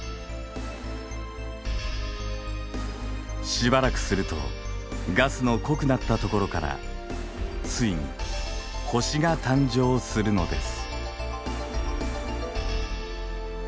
しばらくするとガスの濃くなったところからついに星が誕生するのです。